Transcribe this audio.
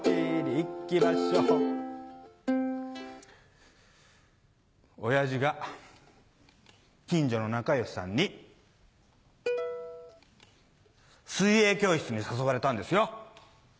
いきましょう親父が近所の仲良しさんに水泳教室に誘われたんですよ。